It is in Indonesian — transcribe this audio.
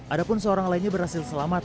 adapun seorang lainnya berhasil selamat